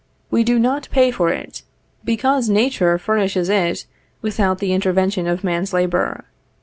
We do not pay for it, because Nature furnishes it without the intervention of man's labor.